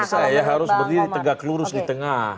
bisa ya harus berdiri tegak lurus di tengah